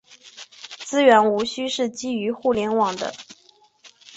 资源无需是基于互联网的。